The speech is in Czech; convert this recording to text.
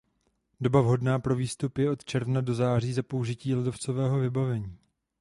Doba vhodná pro výstup je od června do září za použití ledovcového vybavení.